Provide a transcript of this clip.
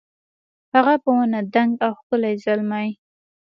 هغه په ونه دنګ او ښکلی زلمی